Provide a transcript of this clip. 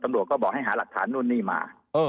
ตำรวจก็บอกให้หาหลักฐานนู่นนี่มา